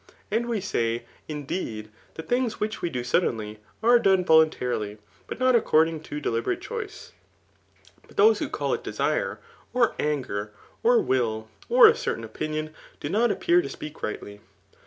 And we say, in deed, that things which we do suddenly, are done volun CanpQy, but not according to deliberate choice. But those who call it diesire, or anger, or will, or a certain opimon, da not appear to speak rightly.